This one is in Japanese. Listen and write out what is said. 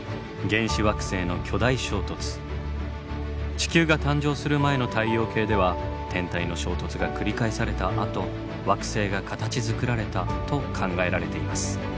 地球が誕生する前の太陽系では天体の衝突が繰り返されたあと惑星が形づくられたと考えられています。